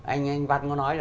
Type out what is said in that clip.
anh văn có nói là